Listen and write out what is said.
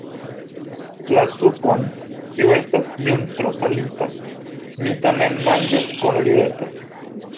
La supon, kiu estas iom tro salita, mi tamen manĝas kun rideto.